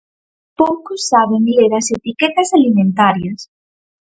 Poucos saben ler as etiquetas alimentarias.